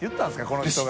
この人が。